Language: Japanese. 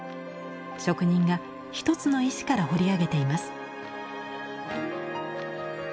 職人が一つの石から彫り上げています。